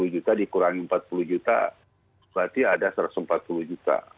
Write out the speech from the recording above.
satu ratus delapan puluh juta dikurangi empat puluh juta berarti ada satu ratus empat puluh juta